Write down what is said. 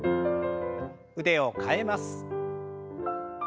腕を替えます。